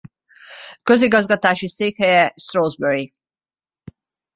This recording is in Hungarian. Közigazgatási székhelye Shrewsbury.